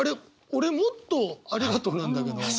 俺もっとありがとうなんだけど。